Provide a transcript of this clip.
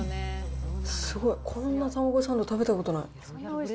すごい、こんなたまごサンド食べたことない。